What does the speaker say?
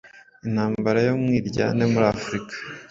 Intambara y’umwiryane muri africa